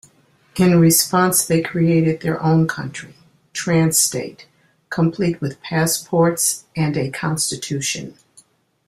In response, they created their own country, "Trans-State," complete with passports and a constitution.